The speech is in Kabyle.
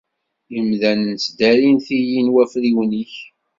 Imdanen ttdarin tili n wafriwen-ik.